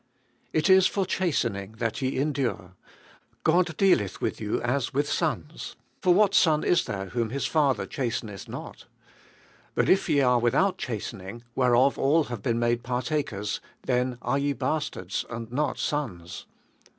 It is for chastening that ye endure; God dealeth with you as with sons ; for what son is there whom his father chasteneth not ? 8. But if ye are without chastening, whereof all have been made partakers, then are ye bastards, and not sons.